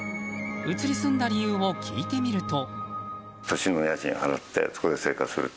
移り住んだ理由を聞いてみると。